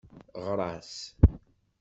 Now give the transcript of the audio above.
Ɣer-as.